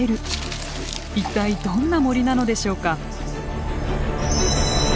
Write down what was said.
一体どんな森なのでしょうか？